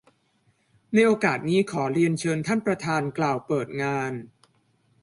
ในโอกาสนี้ ขอเรียนเชิญท่านประธานกล่าวเปิดงาน